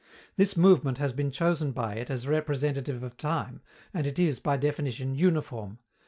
This movement has been chosen by it as representative of time, and it is, by definition, uniform.